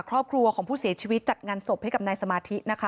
ครอบครัวของผู้เสียชีวิตจัดงานศพให้กับนายสมาธินะคะ